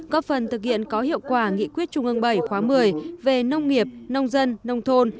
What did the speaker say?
góp phần thực hiện có hiệu quả nghị quyết trung ương bảy khóa một mươi về nông nghiệp nông dân nông thôn